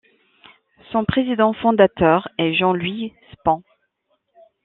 Son président fondateur est Jean-Louis Span.